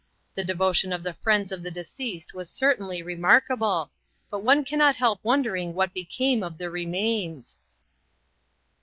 The devotion of the friends of the deceased was certainly remarkable, but one can not help wondering what became of the remains.